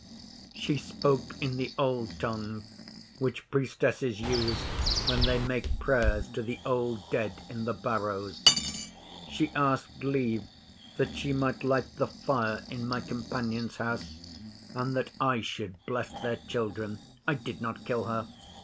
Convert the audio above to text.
She spoke in the Old Tongue which Priestesses use when they make prayers to the Old Dead in the Barrows. She asked leave that she might light the fire in my companion's house and that I should bless their children. I did not kill her.